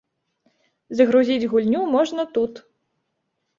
Загрузіць гульню можна тут.